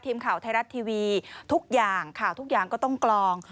ทีมข่าวไทยรัฐทีวีทุกอย่างก็ต้องกลอง